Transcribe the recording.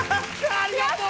ありがとう！